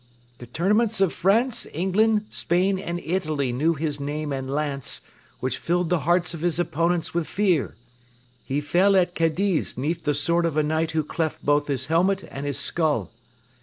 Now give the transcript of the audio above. The tournaments of France, England, Spain and Italy knew his name and lance, which filled the hearts of his opponents with fear. He fell at Cadiz 'neath the sword of a knight who cleft both his helmet and his skull.